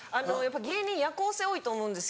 芸人夜行性多いと思うんです。